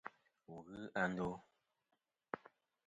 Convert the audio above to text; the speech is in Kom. Wù n-ghɨ a ndo.